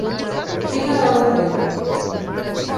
Vinc a veure el rei.